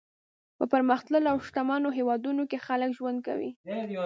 په پرمختللو او شتمنو هېوادونو کې خلک ژوند کوي.